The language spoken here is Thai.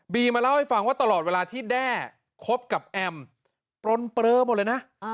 มาเล่าให้ฟังว่าตลอดเวลาที่แด้คบกับแอมปลนเปลือหมดเลยนะ